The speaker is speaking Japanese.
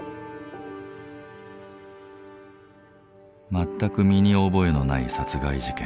全く身に覚えのない殺害事件。